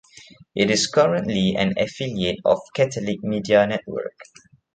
It is currently an affiliate of Catholic Media Network.